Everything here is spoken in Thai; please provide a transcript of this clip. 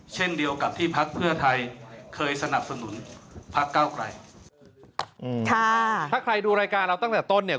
เช่นเดียวกับที่พักเพื่อไทยเคยสนับสนุนพักเก้าไกลอืมค่ะถ้าใครดูรายการเราตั้งแต่ต้นเนี่ย